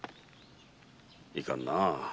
いかんなあ。